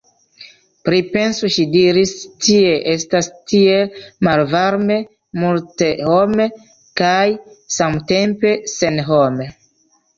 Pripensu, ŝi diris, tie estas tiel malvarme, multehome kaj samtempe senhome.